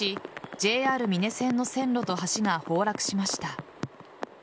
ＪＲ美祢線の線路と橋が崩落しました。